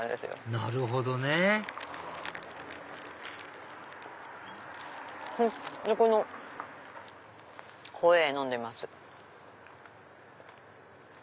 なるほどねこのホエー飲んでみます。